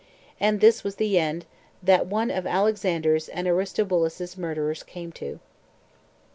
And this was the end that one of Alexander's and Aristobulus's murderers came to.